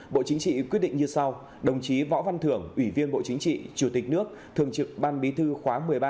bộ chính trị quyết định như sau đồng chí võ văn thưởng ủy viên bộ chính trị chủ tịch nước thường trực ban bí thư khóa một mươi ba